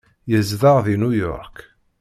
Yezdeɣ deg New York.